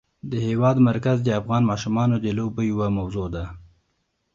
د هېواد مرکز د افغان ماشومانو د لوبو یوه موضوع ده.